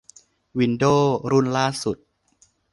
วินโดวส์รุ่นล่าสุด